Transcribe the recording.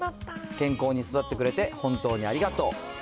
健康に育ってくれて、本当にありがとう！